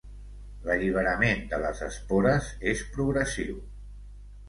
L'alliberament de les espores és progressiu.